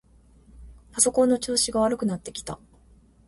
パソコンの調子が悪くなってきた。